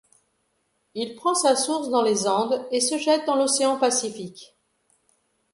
Il prend sa source dans les Andes et se jette dans l'océan Pacifique.